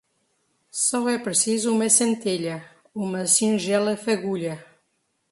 Só é preciso uma centelha, uma singela fagulha